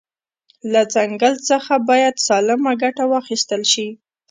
له ځنګل ځخه باید سالمه ګټه واخیستل شي